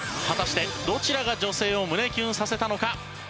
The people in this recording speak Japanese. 果たしてどちらが女性を胸キュンさせたのか？